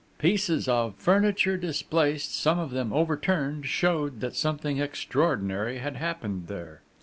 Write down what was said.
Pieces of furniture displaced, some of them overturned, showed that something extraordinary had happened there.